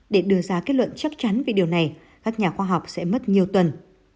để đưa ra kết luận chắc chắn về điều này các nhà khoa học sẽ mất nhiều tuần